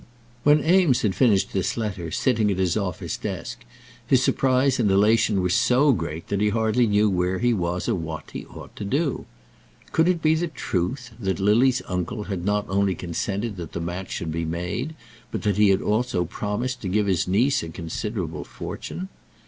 When Eames had finished this letter, sitting at his office desk, his surprise and elation were so great that he hardly knew where he was or what he ought to do. Could it be the truth that Lily's uncle had not only consented that the match should be made, but that he had also promised to give his niece a considerable fortune?